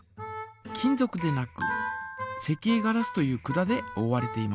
金ぞくでなく石英ガラスという管でおおわれています。